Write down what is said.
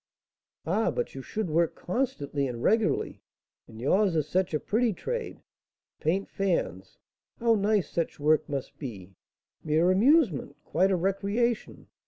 "Ah! but you should work, constantly and regularly; and yours is such a pretty trade. To paint fans! how nice such work must be, mere amusement, quite a recreation!